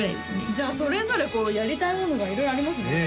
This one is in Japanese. じゃあそれぞれこうやりたいものが色々ありますねねえ